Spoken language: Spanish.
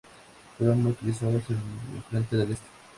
Fueron muy utilizados en el Frente del Este.